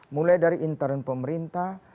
mulai dari intern pemerintah